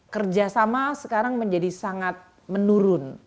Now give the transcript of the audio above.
kerjasama sekarang menjadi sangat menurun